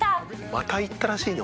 また行ったらしいね？